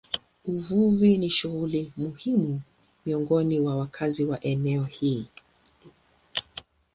Uvuvi ni shughuli muhimu miongoni mwa wakazi wa eneo hili.